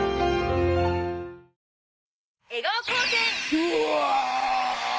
うわ！